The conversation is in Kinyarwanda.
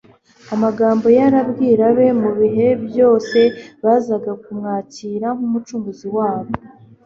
Amagambo ye arabwira abe mu bihe byose bazanga kumwakira nk'Umucunguzi wabo.